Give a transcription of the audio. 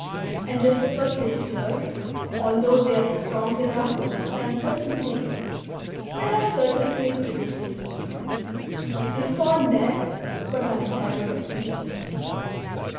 And just because they fear, although they are strong enough to withstand certain things, there are certain things to which they yield ; they scorn death, but are in terror of pain.